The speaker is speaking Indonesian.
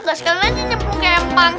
terus kalian nyemplung kempang